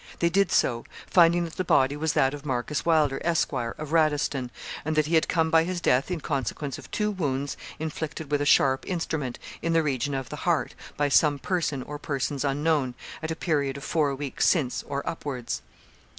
They did so; finding that the body was that of Marcus Wylder, Esquire, of Raddiston, and 'that he had come by his death in consequence of two wounds inflicted with a sharp instrument, in the region of the heart, by some person or persons unknown, at a period of four weeks since or upwards.'